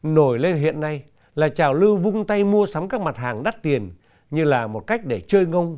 nổi lên hiện nay là trào lưu vung tay mua sắm các mặt hàng đắt tiền như là một cách để chơi ngông